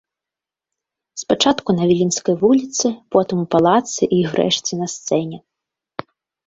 Спачатку на віленскай вуліцы, потым у палацы і, урэшце, на сцэне.